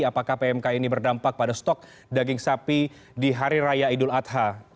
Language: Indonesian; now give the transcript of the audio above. apakah pmk ini berdampak pada stok daging sapi di hari raya idul adha